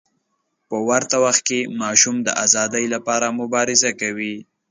په ورته وخت کې ماشوم د ازادۍ لپاره مبارزه کوي.